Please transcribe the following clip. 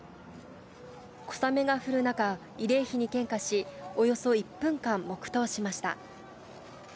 小雨が降る中、慰霊碑に献花し、およそ１分間黙とうしました。